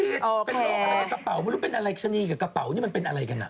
กระโหลกอะไรเป็นกระเป๋าไม่รู้เป็นอะไรชะนีกับกระเป๋านี่มันเป็นอะไรกันอ่ะ